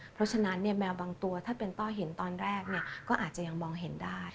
เพราะฉะนั้นแมวบางตัวถ้าเป็นต้อเห็นตอนแรกก็อาจจะยังมองเห็นได้